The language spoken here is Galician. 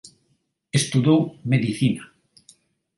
Estudou Medicina.